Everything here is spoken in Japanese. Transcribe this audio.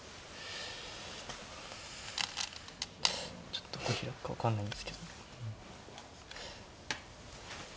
ちょっとどうヒラくか分かんないんですけど。